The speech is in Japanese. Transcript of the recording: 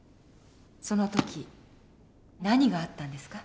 その時何があったんですか？